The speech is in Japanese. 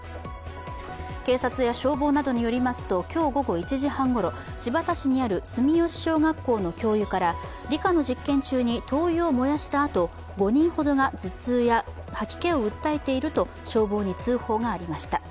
警察や消防などによりますと、今日午後１時半ごろ新発田市にある住吉小学校の教諭から理科の実験中に灯油を燃やしたあと、５人ほどが頭痛や吐き気を訴えていると消防に通報がありました。